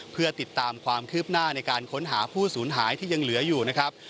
เพื่อติดตามความคืบหน้าในการค้นหาผู้สูญหายที่ยังเหลืออยู่นะครับ